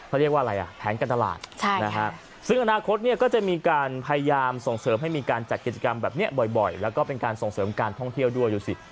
เขาเรียกว่าอะไรอ่ะแผนการตลาดซึ่งอนาคตเนี่ยก็จะมีการพยายามส่งเสริมให้มีการจัดกิจกรรมแบบนี้บ่อยแล้วก็เป็นการส่งเสริมการท่องเที่ยวด้วยดูสิ